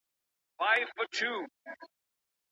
علمي سیمینار له اجازې پرته نه کارول کیږي.